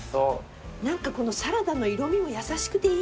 何かこのサラダの色みも優しくていいね。